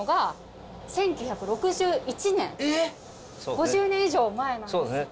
５０年以上前なんですよね。